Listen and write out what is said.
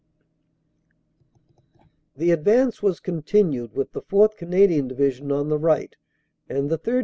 The advance was continued with the 4th. Canadian Divi sion on the right and the 3rd.